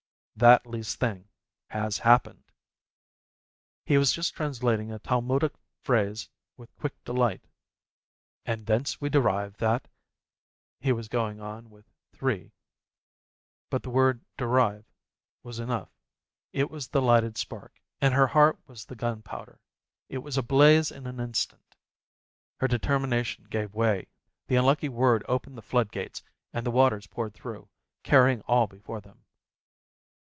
That least thing has happened. He was just translating a Talmudic phrase with quiet delight, "And thence we derive that â€" " He was going on with "three, â€" " but the word "derive" was enough, it was the lighted spark, and her heart was the gunpowder. It was ablaze in an instant. Her deter mination gave way, the unlucky word opened the flood gates, and the waters poured through, carrying all be fore them.